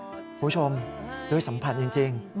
คุณผู้ชมด้วยสัมผัสจริง